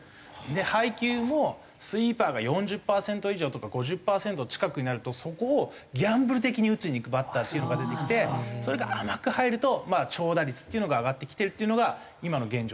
で配球もスイーパーが４０パーセント以上とか５０パーセント近くになるとそこをギャンブル的に打ちにいくバッターっていうのが出てきてそれが甘く入ると長打率っていうのが上がってきてるっていうのが今の現状です。